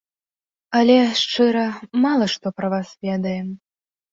Але, шчыра, мала што пра вас ведаем.